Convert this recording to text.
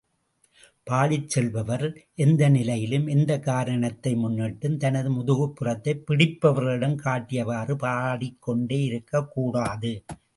பாடிச் செல்பவர் எந்த நிலையிலும், எந்தக் காரணத்தை முன்னிட்டும் தனது முதுகுப்புறத்தை பிடிப்பவர்களிடம் காட்டியவாறு பாடிக் கொண்டு இருக்கக்கூடாது.